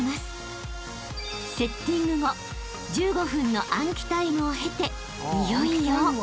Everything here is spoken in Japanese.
［セッティング後１５分の暗記タイムを経ていよいよ］